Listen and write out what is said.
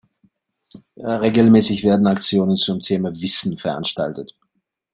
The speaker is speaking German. Regelmäßig werden Aktionen zum Thema „Wissen“ veranstaltet.